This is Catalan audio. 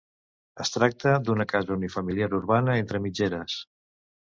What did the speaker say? Es tracta d'una casa unifamiliar urbana entre mitgeres.